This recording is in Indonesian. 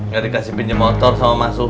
gak dikasih pinjem motor sama mas suha